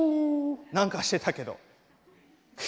何かしてたけど。